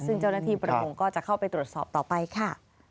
ซึ่งเจ้าหน้าที่ประมงก็จะเข้าไปตรวจสอบต่อไปค่ะ